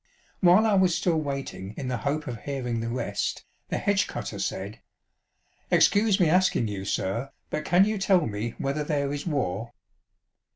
While I was still waiting in the hope of hearing the rest, the hedge cutter said, " Excuse me asking you, sir, but can you tell me whether there is war